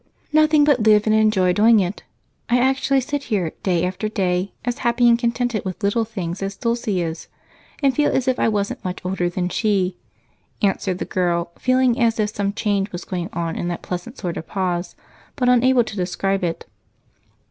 "Nothing but live, and enjoy doing it. I actually sit here, day after day, as happy and contented with little things as Dulce is and feel as if I wasn't much older than she," answered the girl, feeling as if some change was going on in that pleasant sort of pause but unable to describe it.